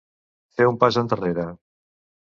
Fer un pas endarrere.